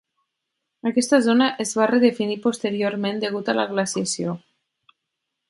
Aquesta zona es va redefinir posteriorment degut a la glaciació.